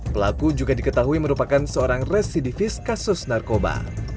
pelaku juga diketahui merupakan seorang residivis kasus narkoba